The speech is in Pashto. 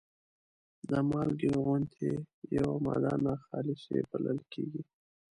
د مالګې غوندې یوه ماده ناخالصې بلل کیږي.